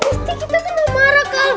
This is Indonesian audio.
nanti kita kena marah kal